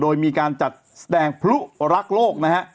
โดยมีการจัดแสดงพลุรักโลกนะฮะ